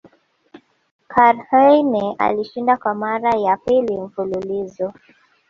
KarlHeine alishinda Kwa mara ya pili mfululizo